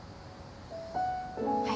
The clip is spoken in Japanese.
はい。